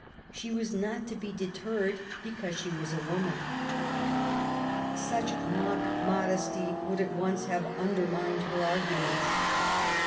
She was not to be deterred be cause she was a woman. Such mock modesty would at once have undermined her arguments.